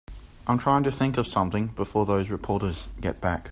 I'm trying to think of something before those reporters get back.